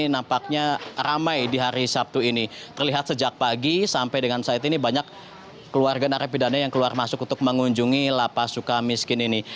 nampaknya ramai di hari sabtu ini terlihat sejak pagi sampai dengan saat ini banyak keluarga narapidana yang keluar masuk untuk mengunjungi lapas suka miskin ini